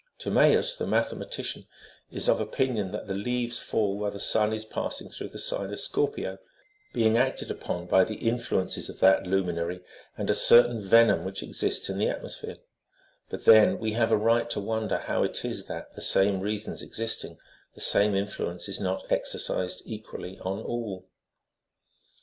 Timaeus, the mathematician, is of opinion that the leaves fall while the sun is passing through the sign of Scorpio, being acted upon by the influences of that luminary, and a certain venom which exists in the atmosphere : but then we have a right to wonder how it is that, the same reasons existing, the same influence is not exercised equally on all.